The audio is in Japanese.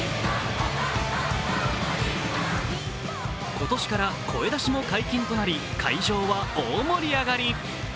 今年から声だしも解禁となり会場は大盛り上がり。